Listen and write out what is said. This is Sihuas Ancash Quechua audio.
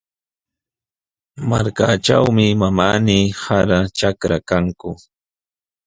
Markaatrawmi manami sara trakra kanku.